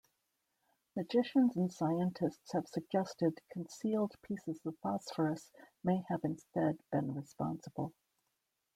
Magicians and scientists have suggested concealed pieces of phosphorus may have instead been responsible.